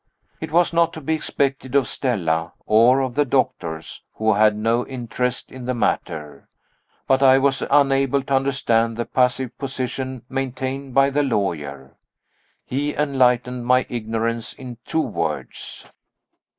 It was not to be expected of Stella or of the doctors, who had no interest in the matter but I was unable to understand the passive position maintained by the lawyer. He enlightened my ignorance in two words.